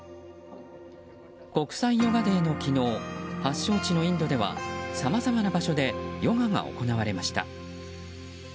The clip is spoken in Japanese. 国際ヨガデーの昨日発祥地のインドではさまざまな場所でヨガが行われました。